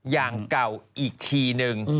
อย่างเก่าอีกทีนึง